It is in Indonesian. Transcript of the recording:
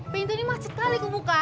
pintu ini macet sekali kebuka